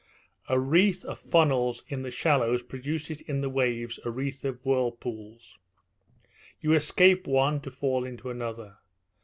A wreath of funnels in the shallows produces in the waves a wreath of whirlpools. You escape one to fall into another.